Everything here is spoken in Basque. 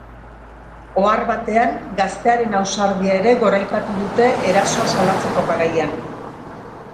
Ohar batean, gaztearen ausardia ere goraipatu dute, erasoa salatzeko garaian.